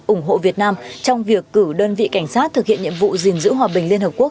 ủng hộ việt nam trong việc cử đơn vị cảnh sát thực hiện nhiệm vụ gìn giữ hòa bình liên hợp quốc